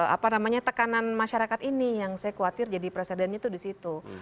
apa namanya tekanan masyarakat ini yang saya khawatir jadi presidennya itu di situ